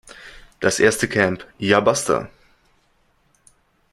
Das erste Camp "Ya Basta!